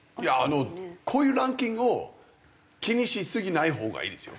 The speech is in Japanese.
こういうランキングを気にしすぎないほうがいいですよ。